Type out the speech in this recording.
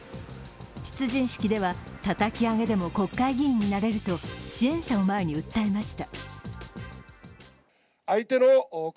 出陣式では、たたき上げでも国会議員になれると支援者を前に訴えました。